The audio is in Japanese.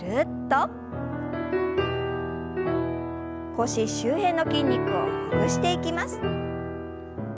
腰周辺の筋肉をほぐしていきます。